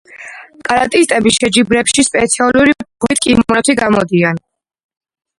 კარატისტები შეჯიბრებებში სპეციალური ფორმით, კიმონოთი გამოდიან.